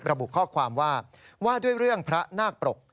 ระบุข้อความว่าว่าด้วยเรื่องพระนาคปรก